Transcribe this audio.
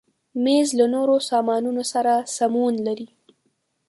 مېز له نورو سامانونو سره سمون لري.